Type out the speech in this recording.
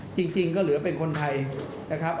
จริงก็เหลือเป็นคนไทยนะครับ